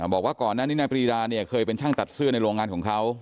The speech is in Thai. บอกว่าก่อนหน้านี้นายปรีดาเนี่ยเคยเป็นช่างตัดเสื้อในโรงงานของเขา